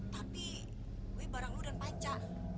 tapi gue bareng lo dan panca